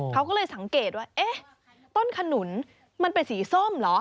เขาก็เลยสังเกตว่าเอ๊ะต้นขนุนมันเป็นสีส้มเหรอ